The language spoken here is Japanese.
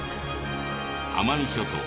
奄美諸島